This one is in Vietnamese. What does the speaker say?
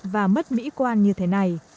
và mất mỹ quan như thế này